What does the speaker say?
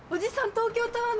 東京タワー。